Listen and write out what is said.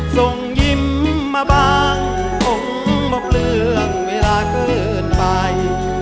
ส่งยิ้มมาบ้างต้องลบเรื่องเวลาขึ้นไป